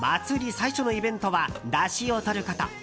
最初のイベントはだしをとること。